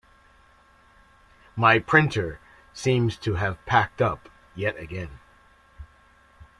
My printer seems to have packed up yet again.